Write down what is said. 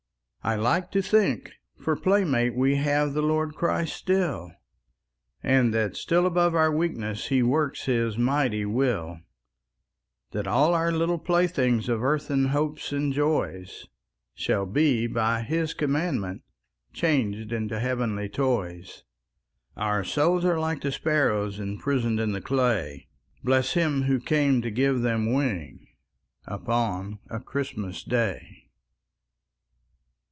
I like to think, for playmate We have the Lord Christ still, And that still above our weakness He works His mighty will, That all our little playthings Of earthen hopes and joys Shall be, by His commandment, Changed into heavenly toys. Our souls are like the sparrows Imprisoned in the clay, Bless Him who came to give them wings Upon a Christmas Day!